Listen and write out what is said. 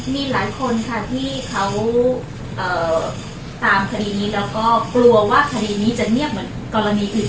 มีหลายคนค่ะที่เขาตามคดีนี้แล้วก็กลัวว่าคดีนี้จะเงียบเหมือนกรณีอื่น